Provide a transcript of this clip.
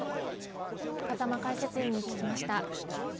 風間解説委員に聞きました。